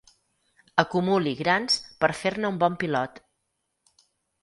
Acumuli grans per fer-ne un bon pilot.